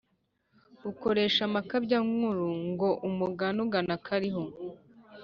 ukoresha amakabyankuru. Ngo umugani ugana akariho.